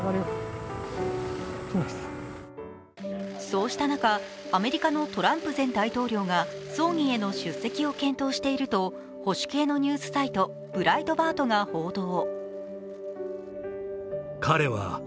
そうした中、アメリカのトランプ前大統領が葬儀への出席を検討していると保守系のニュースサイトブライトバートが報道。